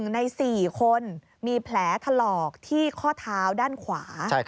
ใน๔คนมีแผลถลอกที่ข้อเท้าด้านขวา